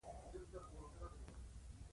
هغوی له شمال او د سیوایډل له لوري پر راغلي.